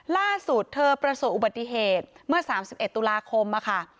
ล่าสุดเธอประสบอุบัติเหตุเมื่อ๓๑ตุลาคมค่ะ